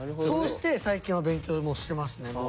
そうして最近は勉強もしてますね。